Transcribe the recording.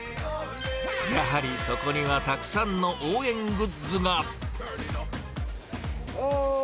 やはりそこにはたくさんの応援グッズが。